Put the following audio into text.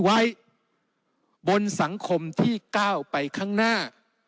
ไว้บนสังคมที่ก้าวไปข้างหน้า